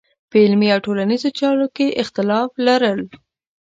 په علمي او ټولنیزو چارو کې اختلاف لرل.